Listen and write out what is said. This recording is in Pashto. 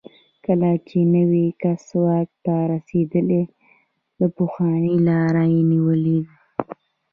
کله چې نوی کس واک ته رسېدلی، د پخواني لار یې نیولې.